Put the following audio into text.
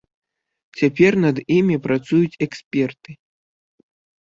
Цяпер над імі працуюць эксперты.